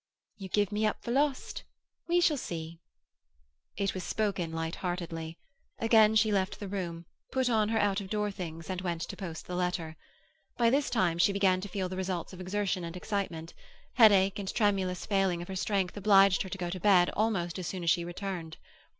"You give me up for lost. We shall see." It was spoken light heartedly. Again she left the room, put on her out of door things, and went to post the letter. By this time she began to feel the results of exertion and excitement; headache and tremulous failing of her strength obliged her to go to bed almost as soon as she returned.